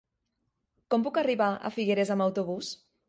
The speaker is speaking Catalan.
Com puc arribar a Figueres amb autobús?